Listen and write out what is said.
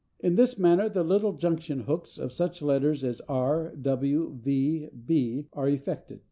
In this manner the little junction hooks of such letters as r, w, v, b are effected.